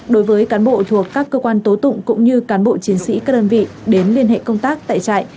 đối với cán bộ thuộc các cơ quan tố tụng cũng như cán bộ chiến sĩ các đơn vị đến liên hệ công tác tại trại